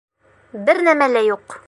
Бер нәмә лә юҡ!